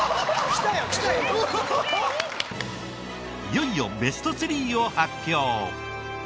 いよいよベスト３を発表。